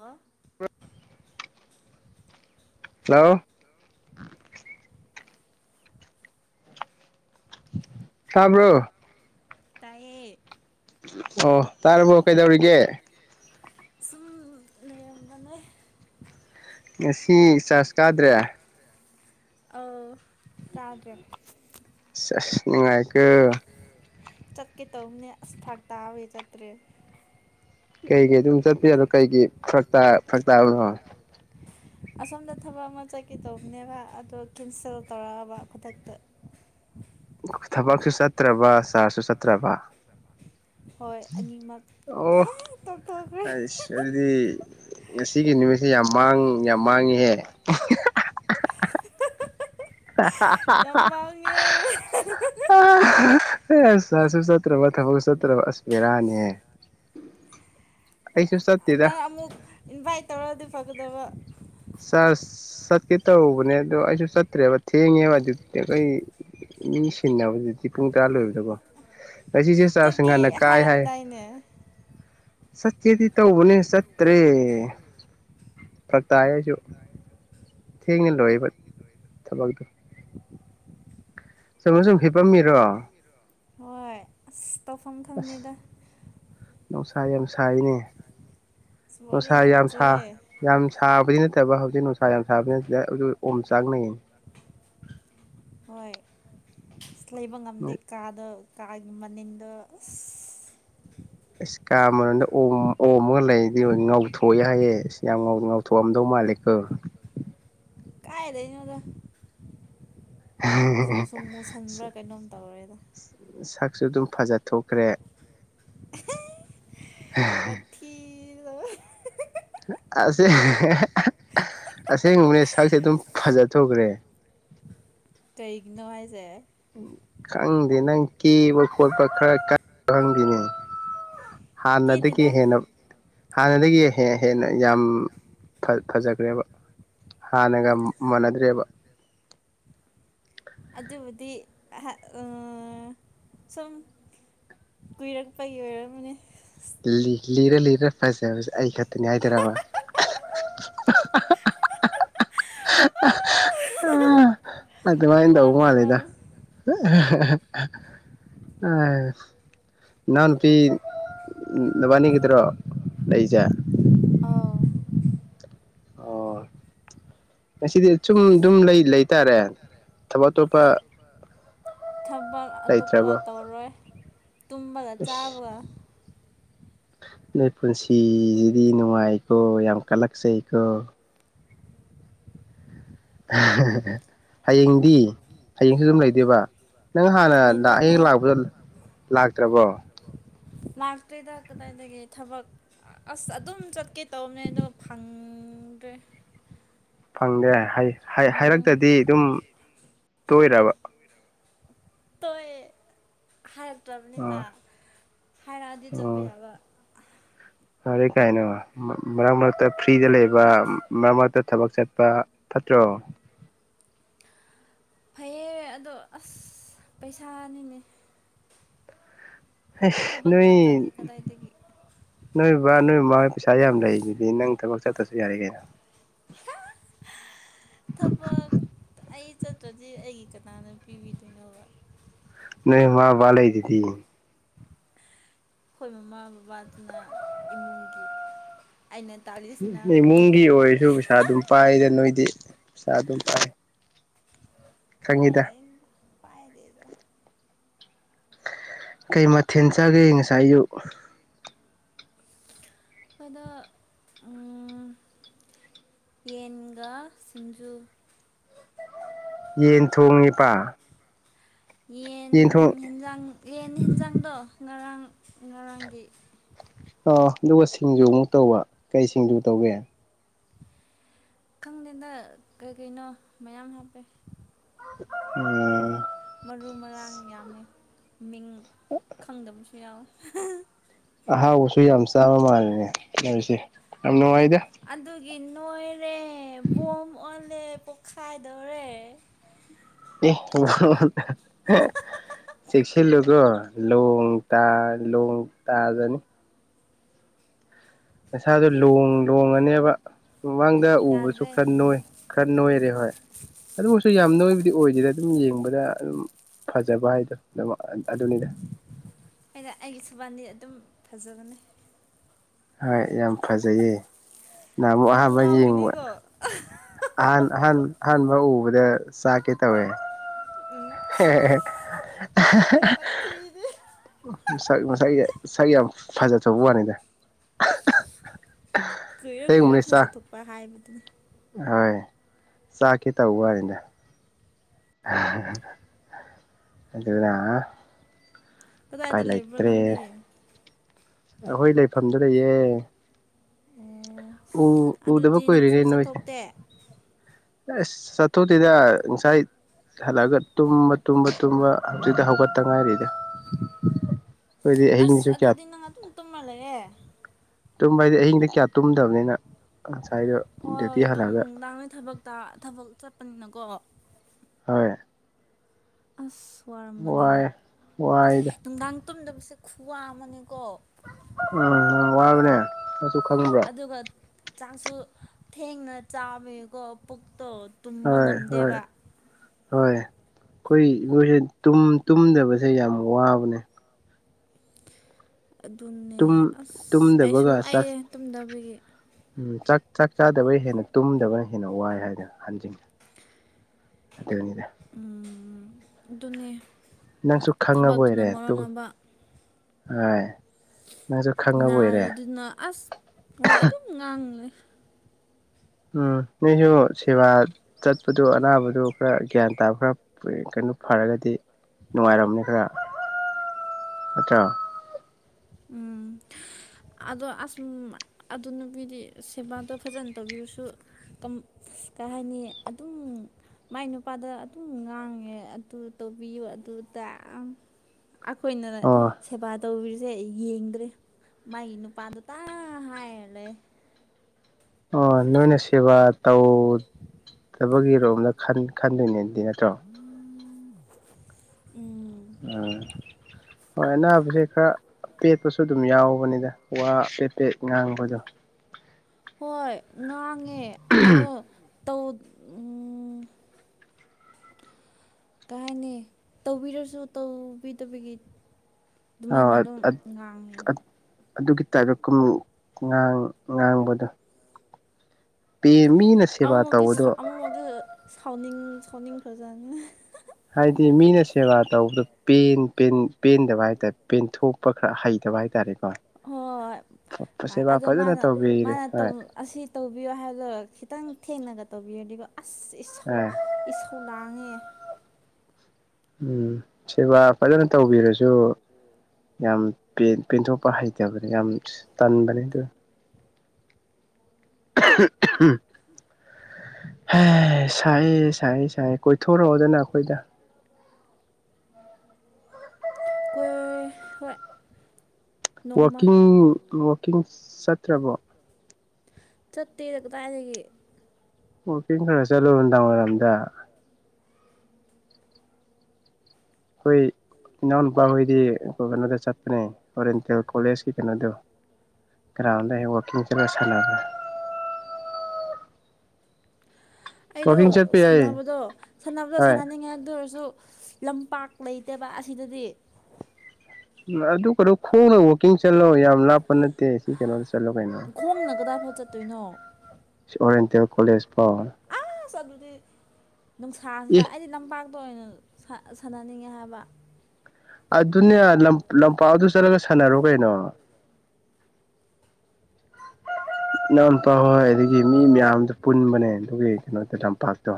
ꯑ ꯍ ꯍꯜꯂꯣ ꯁꯥꯝꯕ꯭ꯔꯣ ꯇꯌꯦ ꯑꯣ ꯇꯥꯔꯕꯣ ꯀꯩꯗꯧꯔꯤꯒꯦ ꯁꯨꯝ ꯂꯩꯔꯝꯕꯅꯦ ꯁꯤ ꯆꯥꯔꯖ ꯀꯥꯗ꯭ꯔꯦ ꯇꯥꯗ꯭ꯔꯦ ꯁꯦꯁ ꯅꯨꯡꯉꯥꯏꯀꯣ ꯆꯠꯀꯦ ꯇꯧꯅꯦ ꯑꯁ ꯐꯛ ꯇꯥꯋꯦ ꯆꯠꯇ꯭ꯔꯦ ꯀꯩꯒꯤ ꯑꯗꯨꯝ ꯆꯠꯄ ꯑꯅꯣ ꯀꯩꯒꯤ ꯐ ꯐꯔꯛꯇꯥꯕꯅꯣ ꯑꯁꯣꯝꯗ ꯊꯕꯛ ꯑꯃ ꯆꯠꯀꯦ ꯇꯧꯕꯅꯦꯕ ꯑꯗꯣ ꯀꯦꯟꯁꯦꯜ ꯇꯧꯔꯛꯑꯕ ꯈꯨꯗꯛꯇ [inaudible] ꯊꯕꯛꯁꯨ ꯆꯠꯇ꯭ꯔꯕ ꯆꯥꯔꯁꯨ ꯆꯠꯇ꯭ꯔꯕ ꯍꯣꯏ ꯑꯅꯤꯃꯛ ꯑꯣ ꯇꯣꯛ ꯇꯣꯛꯈꯔꯦ ꯑꯩꯁ ꯑꯗꯨꯗꯤ ꯉꯁꯤꯒꯤ ꯅꯨꯃꯤꯠꯁꯤ ꯌꯥꯝ ꯃꯥꯡ ꯌꯥꯝ ꯃꯥꯡꯉꯤꯍꯦ ꯍꯥꯍꯥ ꯌꯥꯝ ꯃꯥꯥꯡꯉꯦ ꯍ ꯍꯍꯍ ꯁꯥꯁꯨ ꯁꯇ꯭ꯔ ꯊꯕ ꯁꯇ꯭ꯔ ꯑꯁ ꯕꯦꯔꯥꯅꯤꯍꯦ ꯑꯩꯁꯨ ꯆꯠꯇꯦꯗ ꯅꯪ ꯑꯃꯨꯛ ꯏꯟꯚꯥꯏꯠ ꯇꯧꯔꯗꯤ ꯐꯒꯗꯕ ꯁꯥꯔ ꯆꯠꯀꯦ ꯇꯧꯕꯅꯦ ꯑꯗꯣ ꯑꯩꯁꯨ ꯆꯠꯇ꯭ꯔꯦꯕ ꯊꯦꯡꯉꯦꯕ ꯑꯗꯨꯗꯤ ꯑꯩꯈꯣꯏ ꯃꯤ ꯁꯤꯟꯅꯕꯗꯨꯗꯤ ꯄꯨꯡ ꯇꯔꯥ ꯂꯣꯏꯕꯗꯀꯣ ꯉꯁꯤꯁꯦ ꯆ ꯆꯠꯀꯦ ꯍꯥꯏꯔꯝꯗꯥꯏꯅꯦ ꯁꯠꯀꯦꯗꯤ ꯇꯧꯅꯦ ꯆꯠꯇꯦ ꯐꯛꯇꯌꯦ ꯑꯩꯁꯨ ꯊꯦꯡꯅ ꯂꯣꯏꯕ ꯊꯕꯛꯗ ꯁꯨꯝ ꯁꯨꯝ ꯍꯤꯄꯝꯃꯤꯔꯣ ꯍꯣꯏ ꯑꯁ ꯇꯧꯐꯝ ꯈꯪꯗꯦꯗ ꯅꯨꯡꯁꯥ ꯌꯥꯝ ꯁꯔꯤꯅꯦ ꯅꯨꯡꯁꯥ ꯁꯣꯔꯤꯡ ꯌꯥꯝ ꯁꯥ ꯆꯨꯑꯦ ꯌꯥꯝ ꯁꯥꯕꯅꯤ ꯅ ꯐꯠꯇꯕ ꯍꯧꯖꯤꯛ ꯅꯨꯡꯁꯥ ꯌꯥꯝ ꯁꯥꯕꯅꯤꯗ ꯑꯗꯨ ꯑꯣꯝ ꯆꯥꯛꯅꯩꯌꯦꯅꯤ ꯍꯣꯏ ꯑꯁ ꯂꯩꯕ ꯉꯝꯗꯦ ꯀꯥꯗ ꯀꯥꯒꯤ ꯃꯅꯤꯗꯨ ꯑꯁ ꯀꯥꯗ ꯑꯣ ꯑꯣꯝ ꯍ ꯂꯩ ꯉꯧꯊꯣꯛꯑꯏ ꯍꯥꯏꯌꯦ ꯁꯤ ꯌꯥꯝ ꯉꯥꯎꯊꯣꯑꯝꯗꯧ ꯃꯥꯂꯦꯀꯣ ꯀꯥꯏꯗꯩꯅꯣꯗ ꯁꯨꯝ ꯁꯨꯝ ꯃꯨꯁꯟꯕ꯭ꯔꯥ ꯀꯩꯅꯣꯝ ꯇꯧꯔꯦꯗ ꯁꯨ ꯑꯗꯨꯝ ꯐꯖꯊꯣꯛꯈ꯭ꯔꯦ ꯋꯥꯊꯤ ꯑꯍꯍ ꯑꯁꯦ ꯍꯍꯍꯍ ꯑꯁꯦꯡꯕꯅꯦ ꯁꯛꯁꯦ ꯑꯗꯨꯝ ꯐꯖꯊꯣꯛꯈ꯭ꯔꯦ ꯅꯣ ꯍꯥꯏꯁꯦ ꯈꯪꯗꯦ ꯅꯪ ꯀꯦꯕ ꯈꯣꯠꯄ ꯈꯔ ꯀ ꯈꯪꯗꯦꯅꯦ [inaudible] ꯍꯥꯟꯅꯗꯒꯤ ꯀꯦꯗꯦꯗ ꯍꯦꯟꯅ ꯍꯥꯟꯅꯗꯒꯤ ꯍ ꯍꯦꯟꯅ ꯌꯥꯝ ꯐꯖꯈ꯭ꯔꯦꯕ ꯍꯥꯟꯅꯒ ꯃꯥꯟꯅꯗ꯭ꯔꯦꯕ [inaudible] ꯑꯗꯨꯕꯨꯗꯤ ꯑ ꯁꯨꯝ ꯀꯨꯏꯔꯛ ꯄꯥꯏ ꯑꯣꯏꯔ ꯃꯅꯦ ꯂꯤꯔ ꯂꯤꯔ ꯐꯖꯕꯁꯦ ꯑꯩ ꯈꯛꯇꯅꯤ ꯍꯥꯏꯗ꯭ꯔꯕꯥꯠ [unintelligible] ꯑꯗꯨꯃꯥꯏꯅ ꯇꯧꯕ ꯃꯥꯅꯦ ꯃꯥꯜꯂꯤꯗ ꯃꯥꯅꯦ ꯑ ꯏꯅꯥꯎ ꯅꯨꯄꯤ ꯅꯕꯥꯅꯤꯒꯗ꯭ꯔꯣ ꯂꯩꯖ ꯑꯧ [inaudible] ꯉꯁꯤꯗꯤ ꯁꯨꯝ ꯑꯗꯨꯝ ꯂꯩ ꯂꯩꯇꯥꯔꯦ ꯊꯕꯛ ꯑꯇꯣꯞꯄ ꯊꯕꯛ ꯑꯇꯣꯞꯄ ꯂꯩꯇ꯭ꯔꯕꯣ ꯇꯧꯔꯣꯏ ꯇꯨꯝꯕꯒ ꯑꯁ ꯆꯥꯕꯒ ꯅꯣꯏ ꯄꯨꯟꯁꯤꯁꯤꯗꯤ ꯅꯨꯡꯉꯥꯏꯀꯣ ꯌꯥꯝ ꯀꯜꯂꯛꯆꯩꯀꯣ ꯍꯌꯦꯡꯗꯤ ꯍꯌꯦꯡꯁꯨ ꯑꯗꯨꯝ ꯂꯩꯗꯣꯏꯕ ꯅꯪ ꯍꯥꯟꯅ ꯂꯩꯗꯣꯏꯅꯦ ꯍꯌꯦꯡ ꯂꯥꯛꯄꯗꯣ ꯂꯥꯛꯇ꯭ꯔꯕꯣ ꯂꯥꯛꯇꯩꯗꯥꯛ ꯀꯗꯥꯏꯒꯦ ꯊꯕꯛ ꯑꯁ ꯑꯗꯨꯝ ꯆꯠꯀꯦ ꯇꯧꯕꯅꯦ ꯑꯣ ꯐꯪꯗ꯭ꯔꯦ ꯐꯪꯗꯦ ꯎꯝ ꯍꯥꯏꯔꯛꯇꯗꯤ ꯑꯗꯨꯝ ꯇꯣꯏꯔꯕ ꯀꯔꯦꯛꯇꯔꯅꯤ ꯃꯥ ꯑꯥ ꯈꯥꯏꯅ ꯑꯗꯤ ꯆꯄꯄꯤ ꯑꯣ ꯑꯕ ꯐꯔꯦ ꯀꯥꯏꯅ ꯃꯔꯛ ꯃꯔꯛꯇ ꯐ꯭ꯔꯤꯗ ꯂꯩꯕ ꯃꯔꯛ ꯃꯔꯛꯇ ꯊꯕꯛ ꯆꯠꯄ ꯄꯠꯇ꯭ꯔꯣ ꯣ ꯑꯁ ꯄꯩꯁꯥꯅꯤꯅꯦ ꯊꯕꯛ ꯅꯣꯏ ꯆꯠꯇ꯭ꯔꯗꯤ ꯀꯗꯥꯏꯗꯒꯤ ꯅꯣꯏꯕ ꯅꯣꯏ ꯃꯥ ꯄꯩꯁꯥ ꯌꯥꯝ ꯂꯩ ꯑꯗꯨꯗꯤ ꯅꯪ ꯊꯕꯛ ꯆꯠꯇꯁꯨ ꯌꯥꯔꯦ ꯀꯩꯅꯣ ꯊꯕꯛ ꯑꯩ ꯆꯠꯇ꯭ꯔꯗꯤ ꯑꯩꯒꯤ ꯀꯅꯥꯅꯣ ꯄꯤꯕꯤꯗꯣꯏꯅꯣꯕ ꯅ ꯋꯥ ꯋꯥꯂꯩꯤꯗꯤ ꯑꯩꯈꯣꯏ ꯃꯃꯥ ꯕꯕꯥꯗꯨꯅ ꯏꯃꯨꯡꯒꯤ ꯑꯩꯅ ꯇꯥꯜꯂꯤꯁꯤꯅ ꯏꯃꯨꯡꯒꯤ ꯑꯩꯒꯤ ꯑꯣꯏꯔꯁꯨ ꯄꯩꯁꯥ ꯑꯗꯨꯝ ꯄꯥꯏꯗ ꯅꯣꯏꯗꯤ ꯄꯩꯁꯥ ꯑꯗꯨꯝ ꯄꯥꯏ ꯁꯒꯤꯗ ꯀꯥꯏꯗꯩꯅꯣꯗ ꯄꯥꯏꯗꯦꯗ ꯀꯩ ꯃꯊꯦꯜ ꯆꯥꯒꯦ ꯉꯁꯥꯏ ꯑꯌꯨꯛ ꯑꯗ ꯌꯦꯟꯒ ꯁꯤꯡꯖꯨ ꯌꯦꯟ ꯊꯣꯡꯉꯤꯄꯥ ꯌꯦꯟ ꯌꯦꯟꯖꯥꯡ ꯌꯦꯟ ꯑꯦꯟꯖꯥꯡꯗꯣ ꯉꯔꯥꯡ ꯉꯔꯥꯡꯒꯤ ꯑ ꯑꯗꯨꯒ ꯁꯤꯡꯖꯨꯃꯨꯛ ꯇꯧꯕ ꯀꯩ ꯁꯤꯡꯖꯨ ꯇꯧꯒꯦ ꯈꯪꯗꯦꯗ ꯀꯩ ꯀꯩꯅꯣ ꯃꯌꯥꯝ ꯍꯥꯞꯄꯦ ꯎꯝ ꯃꯔꯨ ꯃꯔꯥꯡ ꯌꯥꯝꯃꯦ ꯃꯤꯡ ꯈꯪꯗꯕꯁꯨ ꯌꯥꯎꯋꯦ ꯑꯍꯥꯎꯕꯁꯨ ꯌꯥꯝ ꯆꯥꯕ ꯃꯥꯜꯜꯂꯤꯦꯅꯦ ꯂꯩꯁꯦ ꯌꯥꯝ ꯅꯨꯡꯉꯥꯏꯗ ꯀ ꯅꯣꯏꯔ ꯣꯝ ꯑꯣꯂ ꯄꯈꯥꯏꯗꯔ [unintelligible] [inaudible] ꯆꯦꯛꯁꯤꯜꯂꯒꯣ ꯂꯣꯡ ꯂꯣꯡ ꯇꯥꯗꯅꯤ ꯅꯁꯥꯗꯨꯣ ꯂꯣꯡ ꯂꯣꯡꯉꯅꯦꯕ ꯃꯃꯥꯡꯗ ꯎꯕꯁꯨ ꯌꯥꯗ꯭ꯔꯦ ꯈꯔ ꯅꯣꯏ ꯈꯔ ꯅꯣꯏꯔꯦ ꯍꯣꯏ ꯑꯗꯨꯕꯨꯁꯨ ꯌꯥꯝ ꯅꯣꯏꯕ ꯑꯗꯨꯗꯤ ꯑꯣꯏꯗꯦꯗ ꯑꯗꯨꯝ ꯌꯦꯡꯕꯗ ꯑꯗꯨꯝ ꯐꯖꯕ ꯍꯥꯏꯗꯣ ꯑꯗꯨꯅꯤꯗ ꯑꯩꯅ ꯑꯩꯒꯤ ꯁꯨꯕꯥꯟꯗꯤ ꯑꯗꯨꯝ ꯐꯖꯕꯅꯦ ꯍꯣꯏ ꯌꯥꯝ ꯐꯖꯩꯌꯦ ꯅꯍꯅꯥꯃꯨꯛ ꯑꯃꯨꯛ ꯑꯍꯥꯟꯕ ꯌꯦꯡꯕ ꯉꯥꯎꯈꯤꯅꯤꯀꯣ ꯑꯍꯥꯟꯍ ꯑꯍꯥꯟꯕ ꯎ ꯁꯥ ꯀꯦꯇꯥ ꯎꯝ ꯍꯦ ꯍ ꯋꯥꯊꯤꯗꯤ ꯁ ꯃꯁꯥꯏꯒꯤ ꯁꯥꯒꯤ ꯌꯥꯝ ꯐꯖꯆꯕ ꯋꯥꯅꯤꯗ ꯀꯨꯏꯔ ꯁꯦꯡꯕꯅꯤ ꯀꯨꯏꯔ ꯐꯖ ꯆꯥꯛ ꯊꯣꯛꯣꯛꯄ ꯍꯥꯏꯕꯗꯨꯅꯤ ꯍꯣꯏ ꯆꯥꯛꯀꯦ ꯇ ꯋꯥꯔꯤꯗ ꯎ [inaudible] [unintelligible] ꯑꯗꯨꯗꯨꯗꯥ ꯀꯗꯥꯏꯗꯤ ꯂꯩꯕ ꯅꯪꯗꯤꯌꯦ ꯑꯩꯈꯣꯏ ꯂꯩꯐꯝꯗ ꯂꯩꯌꯦ ꯑꯣ ꯎ ꯎꯗꯕ ꯑꯗꯨꯗꯤ ꯀꯣꯏꯔꯤ ꯅꯪꯁꯨ ꯂꯩ ꯏꯅꯣꯁꯦ ꯆꯠꯊꯣꯛꯇꯦ ꯆꯠꯇꯨꯇꯗ ꯉꯪꯁꯥꯏ ꯍꯜꯂꯛꯑꯒ ꯇꯨꯝꯕ ꯇꯨꯝꯕ ꯇꯨꯝꯕ ꯍꯧꯖꯤꯛꯇꯤ ꯍꯧꯒꯠꯇ ꯉꯥꯏꯔꯤꯗ ꯑꯩꯈꯣꯏꯗꯤ ꯑꯁ ꯑꯍꯤꯡꯁꯨ ꯀꯌꯥ ꯑꯗꯨꯗꯤ ꯅꯪ ꯑꯗꯨꯝ ꯇꯨꯝꯃꯜꯂꯒꯦ ꯇꯨꯝꯕ ꯍꯥꯏꯗꯤ ꯑꯍꯤꯡꯗꯤ ꯀꯌꯥ ꯇꯨꯝꯗꯕꯅꯤꯅ ꯑ ꯍꯣꯏ ꯍꯣꯏ ꯅꯨꯡꯗꯥꯡ ꯊꯕꯛꯇ ꯊꯕꯛ ꯆꯠꯄꯅꯤꯅꯀꯣ ꯍꯣꯏ ꯑꯁ ꯋꯥꯔꯝꯒꯅꯤꯅꯦ ꯋꯥꯏ ꯋꯥꯏ ꯅꯨꯡꯗꯥꯡ ꯇꯨꯝꯗꯕꯁꯦ ꯈꯨꯋꯥ ꯑꯃꯅꯦꯀꯣ ꯎꯝ ꯌꯥꯝ ꯋꯥꯕꯅꯦ ꯃꯁꯨ ꯈꯪꯕ꯭ꯔꯥ ꯑꯗꯨꯒ ꯆꯥꯛꯁꯨ ꯊꯦꯡꯅ ꯆꯥꯃꯦꯀꯣ ꯇꯣ ꯇꯨꯝꯕ ꯍꯣꯏ ꯍꯣꯏ ꯉꯝꯗꯦꯕ ꯍꯣꯏ ꯑꯩꯈꯣꯏ ꯏꯣꯏꯁꯦ ꯇꯨꯝꯗꯕꯁꯦ ꯌꯥꯝ ꯋꯥꯕꯅꯦ ꯑꯗꯨꯅꯦ ꯑꯁ ꯑꯩꯁꯨ ꯇꯨꯝꯗꯕꯒ ꯋꯥꯑꯦ ꯆꯥꯛ ꯇꯨꯝꯗꯕꯒꯤ ꯎꯝ ꯆꯥꯛ ꯆꯥꯛ ꯆꯥꯗꯕ ꯍꯦꯟꯅ ꯇꯨꯝꯗꯕꯅ ꯍꯦꯟꯅ ꯋꯥꯏ ꯍꯥꯏꯗꯅ ꯍꯟꯖꯉꯤ ꯑꯗꯅꯤꯗ ꯎꯝ ꯑꯗꯨ ꯑꯗꯨꯅꯦ ꯅꯪꯁꯨ ꯈꯪꯉꯕ ꯊꯕꯛꯇꯨꯅ ꯑꯣꯏꯔꯦ ꯃꯔꯣꯟ ꯇꯨꯡ ꯑꯃ ꯍꯥꯏ ꯅꯥꯔꯤꯗꯨꯅ ꯑꯁ ꯋꯥ ꯑꯗꯨꯝ ꯉꯥꯡꯉꯦ ꯎꯝ ꯅꯣꯏꯁꯨ ꯁꯦꯕꯥ ꯆꯠꯄꯗꯨ ꯑꯅꯥꯕꯗꯨ ꯈꯔ ꯒ꯭ꯌꯥꯟ ꯇꯥꯕ ꯈꯔ ꯐꯔꯒꯗꯤ ꯅꯨꯡꯉꯥꯏꯔꯝꯅꯤ ꯈꯔ ꯅꯠꯇ꯭ꯔꯣ ꯎꯝ ꯑꯗꯣ ꯑꯁ ꯑꯗꯨ ꯅꯨꯄꯤꯗꯤ ꯁꯦꯕꯥꯗꯣ ꯐꯖꯅ ꯇꯧꯕꯤꯔꯁꯨ ꯀꯩ ꯍꯥꯏꯅꯤ ꯑꯗꯨꯝ ꯃꯥꯏ ꯅꯨꯄꯥꯗ ꯑꯗꯨꯝ ꯉꯥꯡꯉꯦ ꯑꯗꯨ ꯇꯧꯕꯤꯌꯨ ꯑꯗꯨ ꯑꯩꯈꯣꯏꯅ ꯑꯣ ꯁꯦꯕꯥ ꯇꯧꯕꯤ ꯁꯦ ꯑꯩ ꯌꯦꯡꯗ꯭ꯔꯦ ꯃꯒꯤ ꯅꯨꯄꯥꯗꯨ ꯇꯥ ꯍꯥꯏꯔꯂꯦ ꯑꯣ ꯅꯣꯏꯅ ꯁꯦꯕꯥ ꯇꯧ ꯊꯕꯛꯒꯤꯔꯣꯝꯗ ꯈꯟꯗꯣꯏꯅꯦꯗꯤ ꯅꯠꯇ꯭ꯔꯣ ꯎꯝ ꯎꯝ ꯎꯝ ꯍꯣꯏ ꯑꯕꯖꯤ ꯈꯔ ꯑꯄꯦꯠꯄꯁꯨ ꯑꯗꯨꯝ ꯌꯥꯎꯕꯅꯤꯗ ꯋꯥ ꯑꯄꯦꯠꯄꯦꯠ ꯉꯥꯡꯕꯗꯣ ꯍꯣꯏ ꯉꯥꯡꯉꯦ ꯑꯗꯣꯧ ꯀꯥꯏꯅꯤ ꯇꯧꯕꯤꯔꯁꯨ ꯇꯧꯕꯤꯗꯕꯒꯤ ꯑꯗꯨꯃꯥꯏꯅ ꯑꯥ ꯑꯗꯨꯝ ꯉꯥꯡꯉꯦꯕ ꯑꯗꯨꯒꯤ ꯇꯥꯏꯞꯇꯥꯡ ꯉꯥꯡꯕꯗꯣ ꯃꯤꯅ ꯁꯦꯕꯥ ꯑꯃꯨꯃꯨꯛꯇꯤ ꯇꯧꯕꯗꯣ ꯁꯥꯎ ꯑꯃꯨꯃꯨꯛꯇꯤ ꯁꯥꯎꯅꯤꯡ ꯁꯥꯎꯅꯤꯡꯡ ꯐ꯭ꯔꯖꯅ ꯍꯥꯏꯗꯤ ꯃꯤꯅ ꯁꯦꯕꯥ ꯇꯧꯕꯗ ꯄꯦꯟꯗꯕ ꯍꯥꯏꯇꯥꯔꯦ ꯄꯦꯟꯊꯣꯛꯄ ꯈꯔ ꯍꯩꯇꯦ ꯁꯕꯥꯏ ꯇꯥꯔꯤꯛ ꯍꯣꯏ ꯑꯗ ꯐꯖꯅ ꯃꯥꯅ ꯇꯧꯕꯤꯔꯦ ꯃꯥꯅ ꯍꯣꯏ ꯑꯁꯤ ꯇꯧꯕꯤꯌꯣ ꯍꯥꯏꯕꯗꯣ ꯈꯤꯇꯪ ꯊꯦꯡꯅꯒ ꯇꯧꯕꯤꯔꯗꯤꯕ ꯑꯁꯧ ꯑꯥ ꯏꯁꯧ ꯂꯥꯡꯉꯦ ꯎꯝ ꯁꯦꯕꯥ ꯐꯖꯅ ꯇꯧꯕꯤꯔꯁꯨ ꯌꯥꯝ ꯄꯦꯟꯊꯣꯛꯄ ꯍꯩꯇꯕꯅꯦ ꯌꯥꯝ ꯇꯟꯕꯅꯦ ꯑꯗꯨ ꯎꯝ ꯍ ꯁꯥꯏꯌꯦ ꯁꯥꯏ ꯁꯥꯏꯌꯦ ꯀꯣꯏꯊꯣꯔꯛꯑꯣꯗꯅ ꯑꯩꯈꯣꯏꯗ ꯀꯣꯏ ꯍꯣꯏ ꯅꯣꯡꯃ ꯋꯥꯋꯀꯤꯡ ꯋꯥꯋꯀꯤꯡ ꯆꯠꯇ꯭ꯔꯕꯣ ꯆꯠꯇꯦꯗ ꯀꯗꯥꯏꯗꯒꯤ ꯋꯀꯤꯡ ꯈꯔ ꯆꯠꯂꯨ ꯅꯨꯡꯗꯥꯡ ꯑꯣꯏꯏꯔꯝꯗ ꯍꯣꯏ ꯏꯅꯥꯎ ꯅꯨꯨꯄꯥ ꯍꯣꯏꯗꯤ ꯀꯩꯅꯣꯗ ꯆꯠꯄꯅꯦ ꯑꯣꯔꯦꯟꯇꯦꯜ ꯀꯣꯂꯦꯖꯀꯤ ꯀꯩꯅꯣꯗꯣ ꯭ꯔꯥꯎꯟꯗ ꯋꯥꯀꯤꯡ ꯆꯠꯂ ꯁꯅꯦ ꯎ ꯑꯩꯗꯣ ꯋꯥꯛꯀꯤꯡ ꯆꯠꯄ ꯌꯥꯏꯌꯦ ꯁꯥꯟꯅꯕꯗꯣ ꯁꯥꯟꯅꯕꯗꯣ ꯍꯣꯏ ꯁꯥꯟꯅꯅꯤꯡꯉꯥꯏ ꯑꯗꯨ ꯑꯣꯏꯔꯁꯨ ꯂꯝꯄꯥꯛ ꯂꯩꯇꯦꯕ ꯑꯁꯤꯗꯗꯤ ꯑꯗꯨ ꯀꯩꯅꯣ ꯈꯣꯡꯅ ꯋꯥꯛꯀꯤꯡ ꯆꯠꯂꯣ ꯌꯥꯝ ꯂꯥꯞꯄ ꯅꯠꯇꯦ ꯁꯤ ꯀꯩꯅꯣꯁꯤ ꯈꯣꯡꯅ ꯀꯗꯥꯏꯐꯥꯎ ꯆꯠꯇꯣꯏꯅꯣ ꯑꯣꯔꯦꯟ ꯇꯦ ꯀꯂꯦꯖ ꯄꯥꯎ ꯑꯁ ꯑꯗꯨꯗꯤ ꯅꯨꯡꯁꯥꯁꯤꯗ ꯑꯦ ꯑꯩꯗꯤ ꯂꯝꯄꯥꯛ ꯑꯣꯏꯅ ꯁꯥꯟꯅꯅꯤꯡꯉꯦ ꯍꯥꯏꯕ ꯑꯗꯨꯅꯦ ꯂꯝꯄꯥꯛꯗꯨ ꯆꯠꯂꯒ ꯁꯥꯟꯅꯔꯣ ꯀꯩꯅꯣ [unintelligible] ꯏꯅꯥꯎꯨꯄꯥ ꯍꯣꯏ ꯑꯗꯒꯤ ꯃꯤ ꯃꯌꯥꯝꯗ ꯄꯨꯟꯕꯅꯦ ꯑꯗꯨꯒꯤ ꯀꯩꯅꯣꯗ ꯂꯝꯄꯥꯛꯇꯣ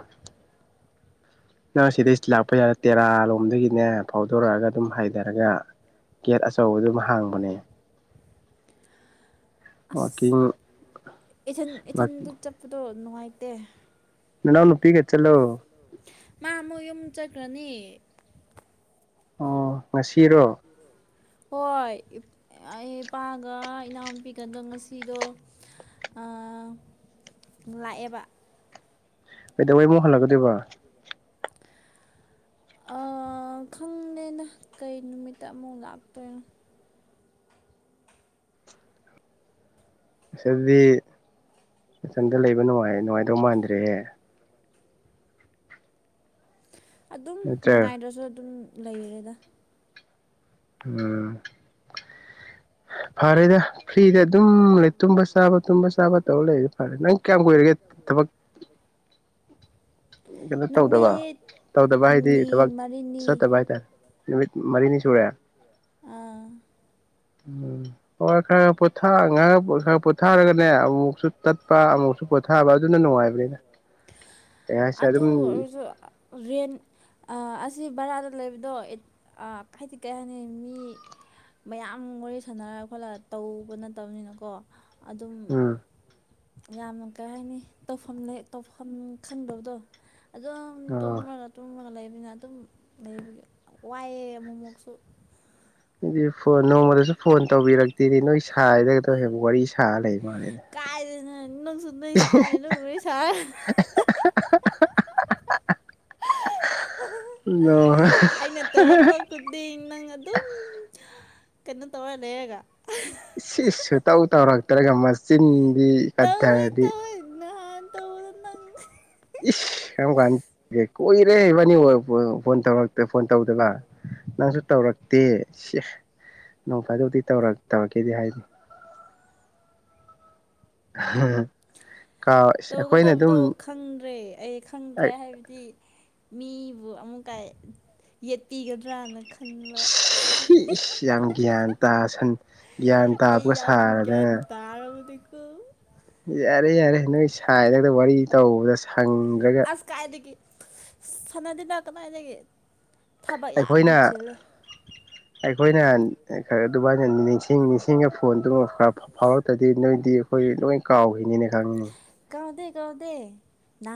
ꯅꯪ ꯁꯤꯗꯩ ꯂꯥꯛꯄ ꯌꯥꯔꯦ ꯇꯦꯔꯥ ꯂꯣꯝꯗꯒꯤꯅꯦ ꯐꯥꯎꯗꯣꯔꯛꯑꯒ ꯑꯗꯨꯝ ꯍꯥꯏꯊꯔꯦ ꯍꯥꯏꯒ ꯀꯦꯠ ꯑꯆꯧꯕꯗꯨꯃ ꯍꯥꯡꯕꯅꯦ ꯋꯥꯛꯀꯤꯡ ꯑꯁ ꯏꯊꯟ ꯏꯊꯟꯗ ꯆꯠꯄꯗꯣ ꯅꯨꯡꯉꯥꯏꯇꯦ ꯅꯅ ꯅꯨꯄꯤꯒꯦꯠ ꯆꯜꯂꯣ ꯃꯥꯃꯨ ꯌꯨꯝ ꯆꯀ꯭ꯔꯅꯤ ꯑꯣ ꯉꯁꯤꯔꯣ ꯍꯣꯏ ꯑꯩ ꯏꯄꯥꯒ ꯏꯅꯥꯎꯨꯄꯤꯒꯗꯣ ꯉꯁꯤꯗꯣ ꯂꯥꯏ ꯑꯕ ꯗ ꯃ ꯍꯜꯂꯒꯗꯣꯏꯕ ꯑ ꯈꯪꯗꯦꯅ ꯀꯩ ꯅꯨꯃꯤꯠꯇ ꯑꯃꯨꯛ ꯂꯥꯛꯇꯣꯏꯅꯣ ꯏꯁꯗꯤ ꯏꯊꯟꯗ ꯂꯩꯕ ꯅꯨꯡꯉꯥꯏꯗꯧ ꯃꯥꯟꯗ꯭ꯔꯦꯍꯦ ꯑꯗꯨꯝ ꯅꯠꯇ꯭ꯔꯥ ꯅꯨꯡꯉꯥꯏꯗ꯭ꯔꯁꯨ ꯑꯗꯨꯝ ꯂꯩꯔꯦꯗ ꯎꯝ ꯐꯔꯦꯗ ꯐ꯭ꯔꯤꯗ ꯑꯗꯨꯝ ꯂꯩ ꯇꯨꯝꯕ ꯆꯥꯕ ꯇꯨꯝꯕ ꯆꯥꯕ ꯇꯧꯕꯔ ꯂꯩꯗꯤ ꯐꯔꯦ ꯅꯪ ꯀꯌꯥꯝ ꯀꯨꯏꯔꯒꯦ ꯊꯕꯛ ꯀꯩꯅꯣ ꯇꯧꯗꯕ ꯅꯨꯃꯤꯠ ꯇꯧꯗꯕ ꯍꯥꯏꯗꯤ ꯍꯨꯝꯅꯤ ꯊꯕꯛ ꯃꯔꯤꯅꯤ ꯆꯠꯇꯕ ꯍꯥꯏꯇꯥꯔꯦ ꯅꯨꯃꯤ ꯃꯔꯤꯅꯤ ꯁꯦ ꯑꯥ [inaudible] ꯎꯝ ꯍ ꯈ [inaudible] ꯉ ꯈ ꯄꯣꯊꯥꯔꯒꯅꯦ ꯑꯃꯨꯛꯁꯨ ꯇꯠꯄ ꯑꯃꯨꯛꯁꯨ ꯄꯣꯊꯥꯕ ꯑꯗꯨꯅ ꯅꯨꯡꯉꯥꯏꯕꯅꯤꯅ ꯀꯩ ꯍꯥꯏꯁꯦ ꯑꯗꯨ ꯑꯗꯨꯝ ꯔ ꯁꯤ ꯕꯔꯥꯗ ꯂꯩꯕꯗꯣ ꯍꯥꯏꯗꯤ ꯀꯔꯤ ꯍꯥꯏꯅꯤ ꯃꯤ ꯃꯌꯥꯝ ꯋꯥꯔꯤ ꯁꯥꯟꯅꯔ ꯈꯣꯠꯂ ꯇꯧꯕ ꯅꯠꯇꯕꯅꯤꯅꯀꯣ ꯑꯗꯨꯝ ꯎꯝ ꯌꯥꯝꯅ ꯀꯩ ꯍꯥꯏꯅꯤ ꯇꯧꯐꯝ ꯇꯧꯐꯝ ꯈꯪꯗꯕꯗꯣ ꯑꯗꯨꯝ ꯑꯣ ꯇꯨꯝꯃꯒ ꯇꯨꯝꯃꯒ ꯂꯩ ꯅ ꯑꯗꯨꯝ ꯂꯩꯕꯒꯤ ꯋꯥꯏꯑꯦ ꯑꯃꯨꯛꯃꯣꯛꯁꯨ ꯑꯗꯨꯗꯤ ꯐꯣꯟ ꯅꯣꯡꯃꯗꯁꯨ ꯐꯣꯟ ꯇꯧꯕꯤꯔꯛꯇꯦꯗꯤ ꯅꯣꯏ ꯁꯥꯗꯒꯗꯧ ꯍꯥꯏꯦꯕ ꯋꯥꯔꯤ ꯁꯥꯔ ꯂꯩ ꯃꯥꯅꯦ ꯁ ꯁꯗꯣꯏ ꯁꯥꯏꯅ ꯎꯔꯣꯏ ꯁꯥ [unintelligible] [inaudible] ꯑꯩꯅ ꯇꯧꯔꯛꯄ ꯈꯨꯗꯤꯡ ꯅꯪ ꯑꯗꯨꯝ ꯀꯩꯅꯣ ꯇꯧꯔꯗꯦ ꯍꯥꯏꯦꯒ ꯏ ꯁꯨꯇꯧ ꯇꯧꯔꯛꯇ꯭ꯔꯒ ꯃꯆꯤꯟꯗꯤ ꯇꯧꯋꯦ ꯀꯠꯊꯔꯗꯤ ꯇꯧꯋꯦ ꯅꯍꯥꯟ ꯇꯧꯕꯗꯣ ꯅꯪ ꯏꯁ ꯀꯔꯝ ꯀꯥꯟꯒꯦ ꯀꯣꯏꯔꯦꯕꯅꯤ ꯐꯣꯟꯧ ꯐꯣꯟ ꯇꯧꯗꯅ ꯅꯪꯁꯨ ꯇꯧꯔꯛꯇꯦ ꯅꯣꯡ ꯐꯥꯏꯗꯧꯗꯤ ꯇꯧꯔ ꯇꯧꯔꯛꯀꯦꯗꯤ ꯍꯥꯏꯅꯤ [unintelligible] [inaudible] ꯑ [unintelligible] [inaudible] ꯇꯧꯒꯗꯕꯗꯣ ꯈꯪꯗ꯭ꯔꯦ ꯑꯩ ꯈꯪꯗ꯭ꯔꯦ ꯍꯥꯏꯕꯗꯤ ꯃꯤꯕꯨ ꯑꯃꯨꯛꯀꯥꯏ ꯌꯦꯠꯄꯤꯒꯗ꯭ꯔꯅ ꯈꯟꯕ ꯌꯥꯝ ꯒ꯭ꯌꯥꯟ ꯇꯥ ꯒ꯭ꯌꯥꯟ ꯇꯥꯕꯒ ꯁꯥꯔꯗꯅ ꯇꯥꯔꯒꯕꯨꯗꯤ ꯌꯥꯔꯦ ꯌꯥꯔꯦ ꯅꯣꯏ ꯁꯥꯏꯔꯒꯗ ꯋꯥꯔꯤ ꯇꯧꯕꯗ ꯁꯪꯈ꯭ꯔꯒ ꯁꯥꯟꯅꯗꯤꯅ ꯀꯃꯥꯏꯗꯒꯤ ꯊꯕꯛ ꯌꯥꯝ ꯑꯩꯈꯣꯏꯅ ꯆꯤꯂꯦ ꯑꯩꯈꯣꯏꯅ ꯈꯔ ꯑꯗꯨꯃꯥꯏꯅ ꯅꯤꯡꯁꯤꯡ ꯅꯤꯡꯁꯤꯡꯉ ꯐꯣꯟꯗꯨ ꯈ ꯐꯥꯎꯔꯛꯇ꯭ꯔꯗꯤ ꯅꯣꯏꯗꯤ ꯑꯩꯈꯣꯏ ꯂꯣꯏ ꯀꯥꯎꯈꯤꯅꯤꯅ ꯈꯪꯉꯤꯅꯤ ꯀꯥꯎꯗ ꯀꯥꯎꯗꯦꯅꯥ